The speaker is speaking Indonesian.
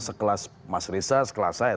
sekelas mas riza sekelas saya